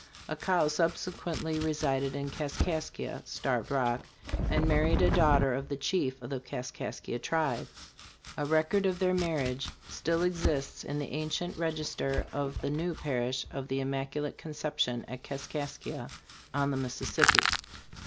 Accau subsequently resided in Kaskaskia [Starved Rock] and married a daughter of the chief of the Kaskaskia tribe. A record of their marriage still exists in the ancient register of the [new] parish of the Im maculate Conception at Kaskaskia [on the Mississppi].